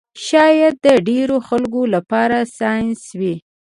شاید د ډېرو خلکو لپاره ساینس وي